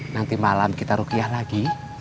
nanti malam kita rukiah lagi